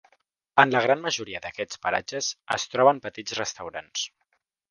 En la gran majoria d'aquests paratges es troben petits restaurants.